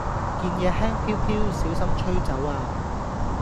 件野輕飄飄小心吹走呀